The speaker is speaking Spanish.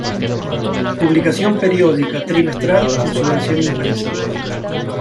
Publicación periódica, trimestral, en su versión impresa.